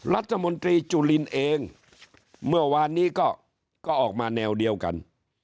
รัฐมนตรีจุลินเองเมื่อวานนี้ก็ออกมาแนวเดียวกัน